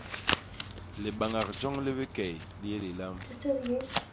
Libañak joñ li bikey li yé lilam.